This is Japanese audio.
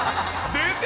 出て！